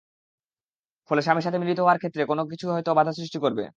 ফলে স্বামীর সাথে মিলিত হওয়ার ক্ষেত্রে কোন কিছু হয়তো বাধা সৃষ্টি করবে।